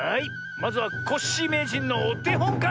まずはコッシーめいじんのおてほんから。